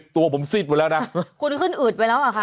ตัวผมซีดหมดแล้วนะคุณขึ้นอืดไปแล้วอ่ะค่ะ